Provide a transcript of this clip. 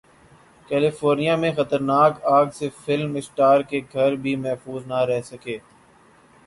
California میں خطرناک اگ سے فلم اسٹارز کے گھر بھی محفوظ نہ رہ سکے